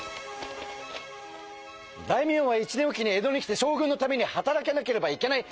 「大名は１年おきに江戸に来て将軍のために働かなければいけない。